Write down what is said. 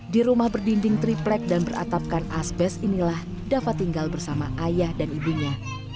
di rumah berdinding triplek dan beratapkan asbes inilah dafa tinggal bersama ayah dan ibunya